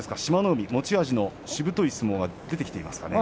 海持ち味のしぶとい相撲が出てきていますかね。